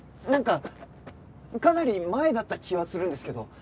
なんかかなり前だった気はするんですけど。